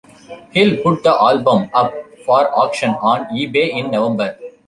Hill put the album up for auction on eBay in November.